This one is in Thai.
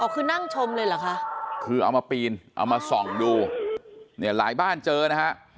คือนั่งชมเลยเหรอคะคือเอามาปีนเอามาส่องดูเนี่ยหลายบ้านเจอนะฮะ